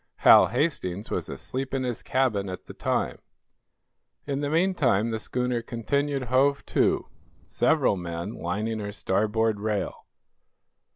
Hal Hastings was asleep in his cabin at the time. In the meantime the schooner continued "hove to," several men lining her starboard rail.